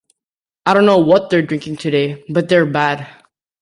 I don't know what they're drinking today, but they're bad.